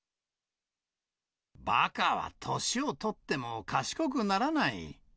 ばかは年を取っても賢くならない！